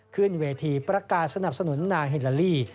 ขึ้นเวทีประกาศสนับสนุนนางฮิลาลี